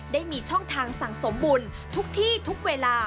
ได้มีช่องทางสั่งสมบุญทุกที่ทุกเวลา